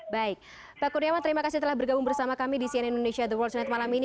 baik pak kurniawan terima kasih telah bergabung bersama kami di cnn indonesia the world tonight malam ini